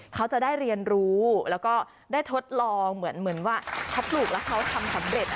เขาจะได้เรียนรู้แล้วก็ได้ทดลองเหมือนว่าเขาปลูกแล้วเขาทำสำเร็จ